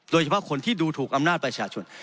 โดยเฉพาะคนที่ดูถูกอำนาจประชาชน